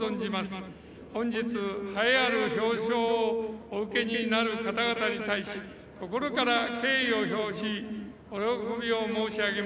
本日栄えある表彰をお受けになる方々に対し心から敬意を表しお喜びを申し上げます。